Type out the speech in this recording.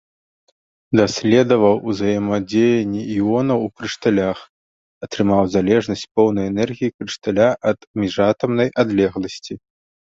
Даследаваў узаемадзеянні іонаў у крышталях, атрымаў залежнасць поўнай энергіі крышталя ад міжатамнай адлегласці.